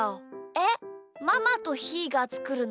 えっママとひーがつくるの？